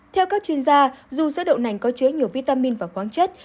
theo các chuyên gia dù sữa đậu nành có chứa nhiều vitamin và khoáng chất